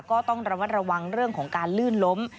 ก็ต้องระมัดระวังเรื่องของการลื่นล้ม